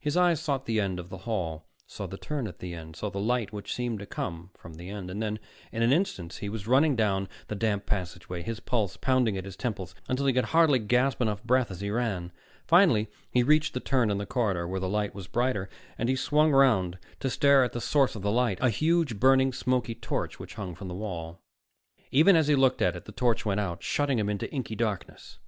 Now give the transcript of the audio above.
His eyes sought the end of the hall, saw the turn at the end, saw the light which seemed to come from the end; and then in an instant he was running down the damp passageway, his pulse pounding at his temples, until he could hardly gasp enough breath as he ran. Finally he reached the turn in the corridor where the light was brighter, and he swung around to stare at the source of the light, a huge, burning, smoky torch which hung from the wall. Even as he looked at it, the torch went out, shutting him into inky blackness.